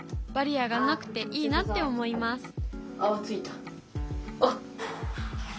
バリアがなくていいなって思います